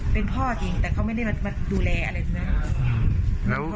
เป็นพ่อจริงแต่เขาไม่ได้มาดูแลอะไรใช่ไหม